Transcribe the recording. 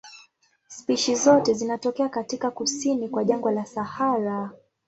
Spishi zote zinatokea Afrika kusini kwa jangwa la Sahara.